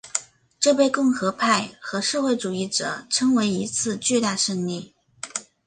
这被共和派和社会主义者称为一次巨大胜利。